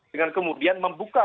dengan kemudian membuka